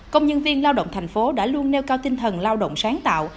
công nhân viên lao động thành phố đã luôn nêu cao tinh thần lao động sáng tạo